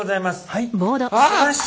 はい。